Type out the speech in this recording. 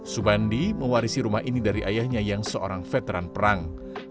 subandi mewarisi rumah ini dari ayahnya yang seorang veteran perang